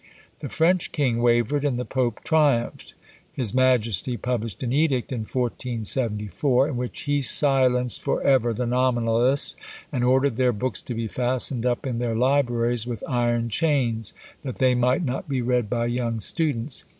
The French King wavered, and the Pope triumphed; his majesty published an edict in 1474, in which he silenced for ever the Nominalists, and ordered their books to be fastened up in their libraries with iron chains, that they might not be read by young students!